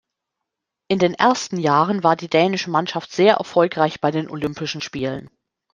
In den ersten Jahren war die dänische Mannschaft sehr erfolgreich bei den Olympischen Spielen.